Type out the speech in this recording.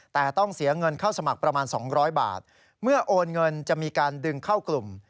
แต่ต้องเสียเงินเข้าสมัครประมาณ๒๐๐บาทเมื่อโอนเงินจะมีการดึงเข้ากลุ่ม